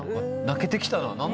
泣けてきたな。